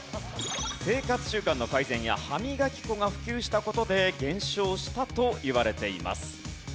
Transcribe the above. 生活習慣の改善や歯磨き粉が普及した事で減少したといわれています。